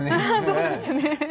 そうですね。